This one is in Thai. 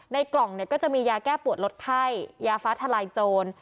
ในกล่องก็จะมียาแก้ปวดลดไข้ยาฟ้าทะลายโจร